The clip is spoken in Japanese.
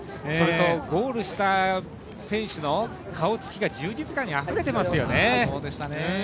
それとゴールした選手の顔つきが充実感にあふれてましたよね。